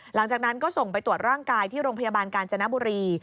หลังจากนั้นก็ส่งไปตรวจร่างกายที่โรงพยาบาลกาญจนบุรี